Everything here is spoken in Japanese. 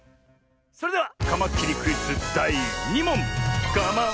それではカマキリクイズだい２もん。